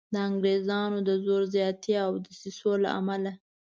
د انګریزانو د زور زیاتي او دسیسو له امله.